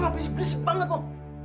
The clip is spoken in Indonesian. nggak bisa berisik banget loh